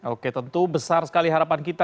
oke tentu besar sekali harapan kita